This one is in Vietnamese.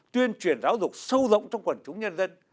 tuyên truyền giáo dục sâu rộng trong quần chúng nhân dân